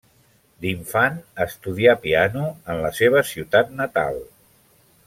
D'infant, estudià piano en la seva ciutat natal.